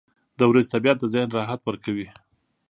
• د ورځې طبیعت د ذهن راحت ورکوي.